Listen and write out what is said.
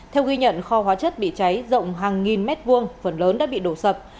theo ghi nhận kho hóa chất bị cháy rộng hàng nghìn mét vuông phần lớn đã bị đổ sập